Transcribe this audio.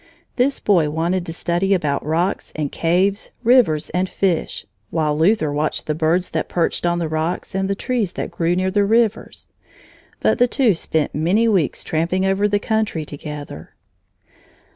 This boy wanted to study about rocks and caves, rivers and fish, while Luther watched the birds that perched on the rocks and the trees that grew near the rivers. But the two spent many weeks tramping over the country together.